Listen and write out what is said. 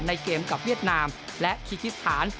ในเกมกับเวียดนามและคีกิสถาน